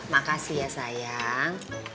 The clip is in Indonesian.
makasih ya sayang